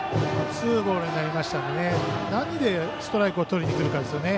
ツーボールになりましたので何でストライクをとりにくるかですね。